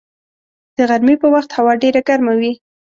د غرمې په وخت هوا ډېره ګرمه وي